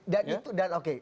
dan itu dan oke